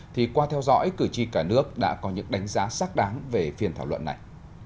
thì qua theo dõi cử tri cả nước đã có những đánh giá xác đáng về phiên thảo luận này